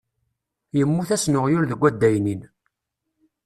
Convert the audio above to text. Yemmut-asen uɣyul deg addaynin.